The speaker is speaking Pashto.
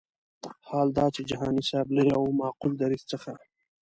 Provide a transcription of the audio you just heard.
حال دا چې جهاني صاحب له یو معقول دریځ څخه.